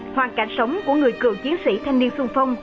hoàn cảnh sống của người cường chiến sĩ thanh niên xung phong